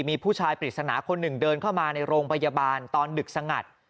มีผู้ชายปริศนาคนหนึ่งเดินเข้ามาในโรงพยาบาลตอนดึกสงัด